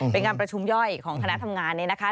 เป็นงานประชุมย่อยของคณะทำงานนี้นะคะ